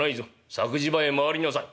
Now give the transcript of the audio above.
作事場へ回りなさい」。